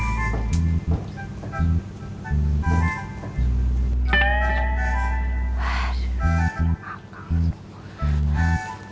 aduh masih gak akal semua